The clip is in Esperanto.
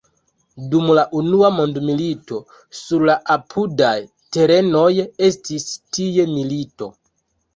Dum la Unua Mondmilito sur la apudaj terenoj estis tie milito.